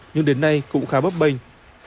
nhưng đến nay cũng khá bấp bênh